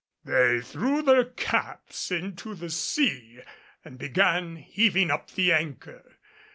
They threw their caps into the sea and began heaving up the anchor.